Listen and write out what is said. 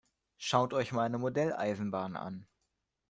Schaut euch meine Modelleisenbahn an!